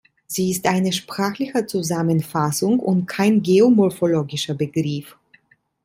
Sie ist eine sprachliche Zusammenfassung und kein geomorphologischer Begriff.